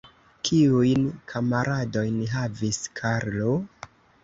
Kiujn kamaradojn havis Karlo?